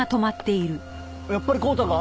やっぱり康太か？